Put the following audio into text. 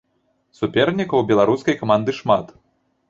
Супернікаў у беларускай каманды шмат.